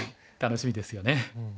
楽しみですよね。